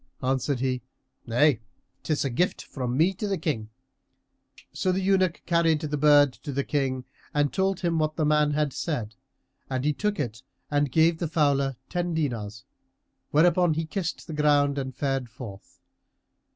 Answered he, "Nay, 'tis a gift from me to the King."[FN#333] So the eunuch carried the bird to the King and told him what the man had said; and he took it and gave the fowler ten dinars, whereupon he kissed ground and fared forth.